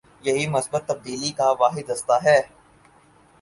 یہی مثبت تبدیلی کا واحد راستہ ہے۔